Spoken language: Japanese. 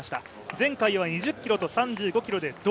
前回は２０ｋｍと３５ｋｍで銅。